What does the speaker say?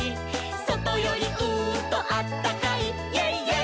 「そとよりうーんとあったかい」「イェイイェイ！